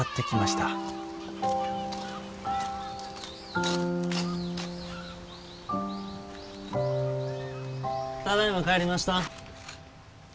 ただいま帰りました。